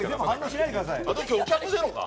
あと今日、客ゼロか。